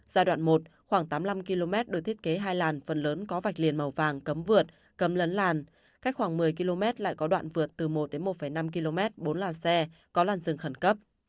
giai đoạn một khoảng tám mươi năm km được thiết kế hai làn phần lớn có vạch liền màu vàng cấm vượt cấm lấn làn cách khoảng một mươi km lại có đoạn vượt từ một đến một năm km bốn làn xe có làn rừng khẩn cấp